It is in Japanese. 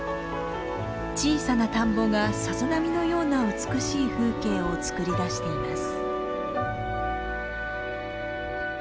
小さな田んぼがさざ波のような美しい風景をつくり出しています。